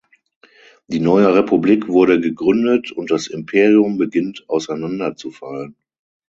Die Neue Republik wurde gegründet und das Imperium beginnt auseinander zu fallen.